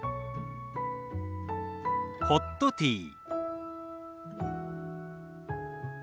「ホットティー」。